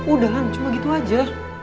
udah kan cuma gitu aja